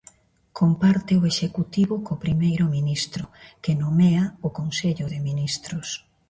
Comparte o executivo co primeiro ministro, que nomea o Consello de Ministros.